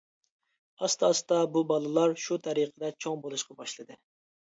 ئاستا-ئاستا بۇ بالىلار شۇ تەرىقىدە چوڭ بولۇشقا باشلىدى.